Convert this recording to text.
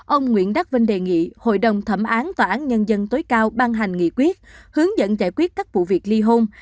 ông nguyễn đắc vinh đề nghị hội đồng thẩm phán tòa án nhân dân tối cao ban hành nghị quyết hướng dẫn giải quyết các vụ việc ly hôn